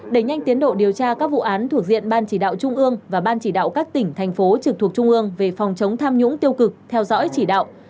đẩy nhanh tiến độ điều tra các vụ án thuộc diện ban chỉ đạo trung ương và ban chỉ đạo các tỉnh thành phố trực thuộc trung ương về phòng chống tham nhũng tiêu cực theo dõi chỉ đạo